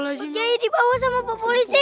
pak kiayi dibawa sama pak polisi